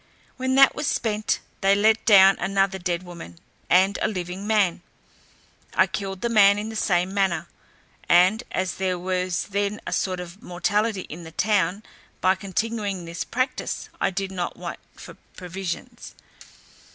When that was spent, they letdown another dead woman, and a living man; I killed the man in the same manner, and, as there was then a sort of mortality in the town, by continuing this practice I did not want for provisions.